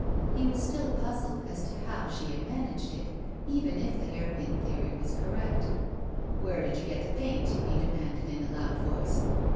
He was still puzzled as to how she had managed it, even if the " nairpin " theory was correct. " Where did you get the paint?'' he demanded in a loud voice.